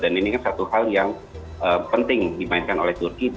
dan ini kan satu hal yang penting dimainkan oleh turkiyaya